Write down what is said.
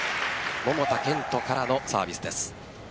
桃田賢斗からのサービスです。